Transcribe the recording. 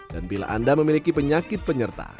dan bila anda memiliki penyakit penyerta